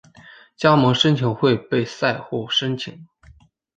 加盟申请会被赛会审核。